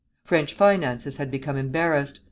French finances had become embarrassed.